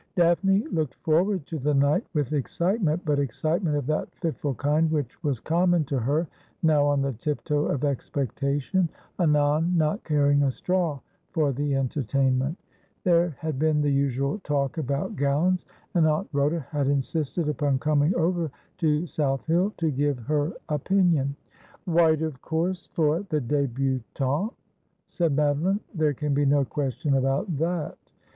Daphne looked forward to the night with excitement, but excitement of that fitful kind which was common to her— now on the tiptoe of expectation, anon not caring a straw for the enter tainment. There had been the usual talk about gowns ; and AuntRhoda had insisted upon coming over to South Hill to give her opinion. O 210 Asphodel. ' White, of course, for the debutante,' said Madoline. ' There can be no question about that.'